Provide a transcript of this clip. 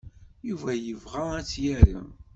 Yuba yebɣa ad tt-yarem.